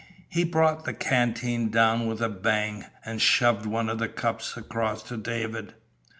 He brought the canteen down with a bang, and shoved one of the cups across to David.